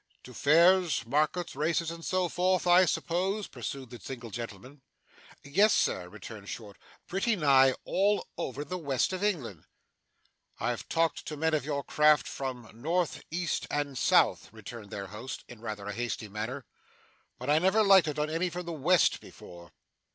'To fairs, markets, races, and so forth, I suppose?' pursued the single gentleman. 'Yes, sir,' returned Short, 'pretty nigh all over the West of England.' 'I have talked to men of your craft from North, East, and South,' returned their host, in rather a hasty manner; 'but I never lighted on any from the West before.